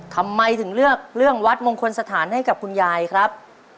ทำไมถึงเลือกเรื่องวัดมงคลสถานให้กับคุณยายครับ